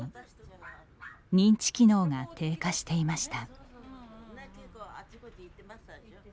認知機能が低下していました。